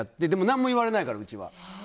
何も言われないから、うちは。